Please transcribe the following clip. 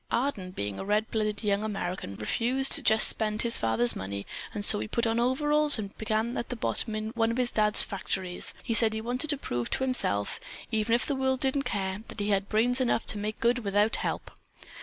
"Arden, being a red blooded young American, refused to just spend his father's money and so he put on overalls and began at the bottom in one of his dad's factories. He said he wanted to prove to himself, even if the world didn't care, that he had brains enough to make good without help.